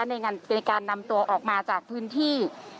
ในการนำตัวออกมาจากพื้นที่